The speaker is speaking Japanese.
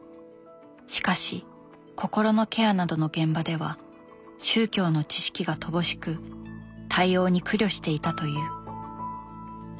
しかし心のケアなどの現場では宗教の知識が乏しく対応に苦慮していたという。